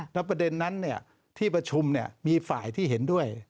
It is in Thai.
แล้วประเด็นนั้นที่ประชุมมีฝ่ายที่เห็นด้วย